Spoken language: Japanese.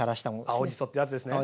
青じそってやつですね。